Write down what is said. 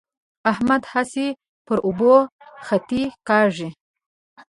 احمد هسې پر اوبو خطې کاږي.